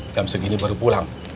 jam segini baru pulang